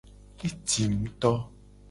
Etim ngto.